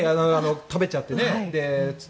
食べちゃってね。